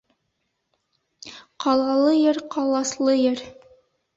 Ҡалалы ер ҡаласлы ер.